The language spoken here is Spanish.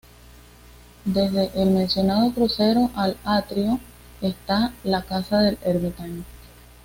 Desde el mencionado crucero al atrio, está la casa del ermitaño.